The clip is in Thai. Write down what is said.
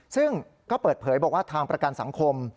ซึ่งก็เปิดเผยบอกว่าทางประกันสังคม